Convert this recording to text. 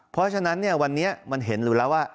เพราะฉะนั้นวันนี้มันเห็นอยู่แล้วว่า